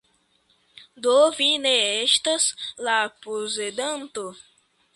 Do vi ne estas la posedanto?